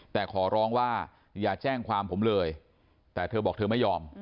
แต่ขอร้องว่าอย่าแจ้งความผมเลยแต่เธอบอกเธอไม่ยอม